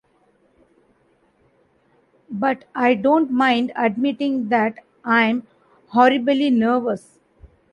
But I don’t mind admitting that I’m horribly nervous.